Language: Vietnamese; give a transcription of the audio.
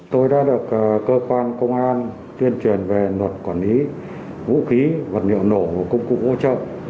tôi đã được cơ quan công an tuyên truyền về luật quản lý vũ khí vật liệu nổ công cụ hỗ trợ